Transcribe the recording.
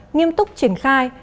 nghiêm túc triển khai